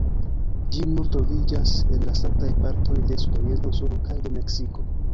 Ĝi nur troviĝas en la sekaj partoj de sudorienta Usono kaj de Meksiko.